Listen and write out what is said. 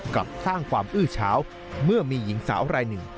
กลับสร้างความอื้อเช้าเมื่อมีหญิงสาวรายหนึ่ง